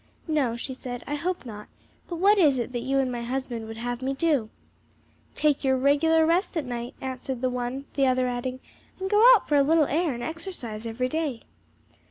"No," she said, "I hope not; but what is it that you and my husband would have me do?" "Take your regular rest at night," answered the one, the other adding, "And go out for a little air and exercise every day."